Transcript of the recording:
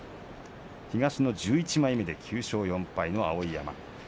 東の１１枚目で９勝４敗の碧山です。